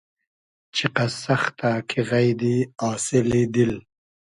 چیقئس سئختۂ کی غݷدی آسیلی دیل